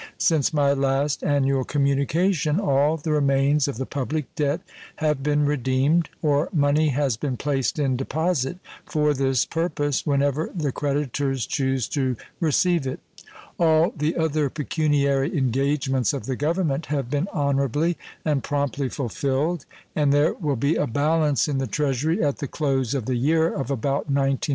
Since my last annual communication all the remains of the public debt have been redeemed, or money has been placed in deposit for this purpose when ever the creditors choose to receive it. All the other pecuniary engagements of the Government have been honorably and promptly fulfilled, and there will be a balance in the Treasury at the close of the year of about $19,000,000.